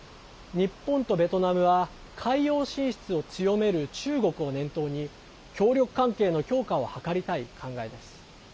日本とベトナムは海洋進出を強める中国を念頭に協力関係の強化を図りたい考えです。